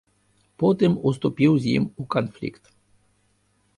Потым уступіў з ім у канфлікт.